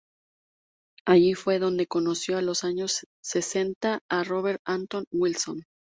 Allí fue donde conoció, en los años sesenta, a Robert Anton Wilson.